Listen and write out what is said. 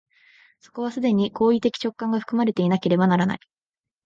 そこには既に行為的直観が含まれていなければならない。